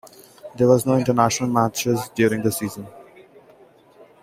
There were no international matches during this season.